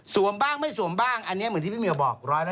สวมบ้างไม่สวมบ้างอันนี้เหมือนที่พี่เมียวบอกร้อยละ๗๔